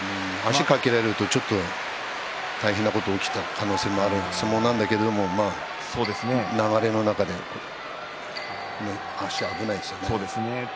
足を掛けられるとちょっと大変なことが起きた可能性もある相撲なんだけど流れの中で足が危ないですよね。